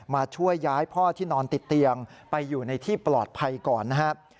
มาช่วยย้ายพ่อที่นอนติดเตียงไปอยู่ในที่ปลอดภัยก่อนนะครับ